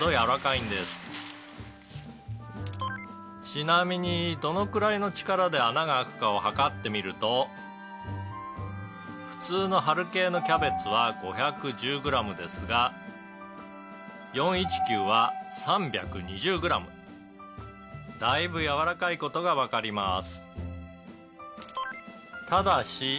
「ちなみにどのくらいの力で穴が空くかを測ってみると」「普通の春系のキャベツは５１０グラムですが４１９は３２０グラム」「だいぶやわらかい事がわかります」